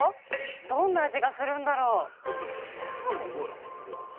どんな味がするんだろう？